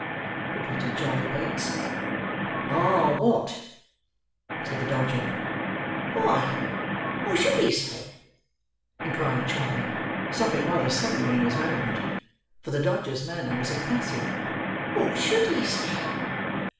repeated Charley Bates. "Ah, what?" said the Dodger. "Why, what should he say?" inquired Charley: stopping rather suddenly in his merriment; for the Dodger's manner was impressive. "What should he say?"